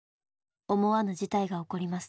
思わぬ事態が起こります。